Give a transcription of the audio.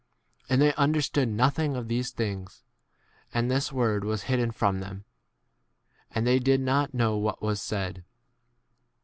And they u under stood nothing of these things. And this word was hidden from them, and they did not know what was said.